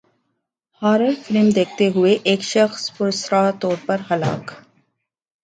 horror film دیکھتے ہوئے ایک شخص پراسرار طور پر ہلاک